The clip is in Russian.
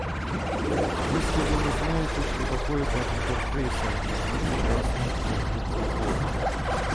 Если вы не знаете, что такое баг интерфейса, нажмите красную кнопку до упора